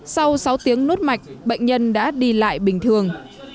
sau sáu tiếng nút mạch bệnh nhân đã đi lại bình thường